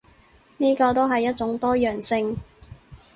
呢個都係一種多樣性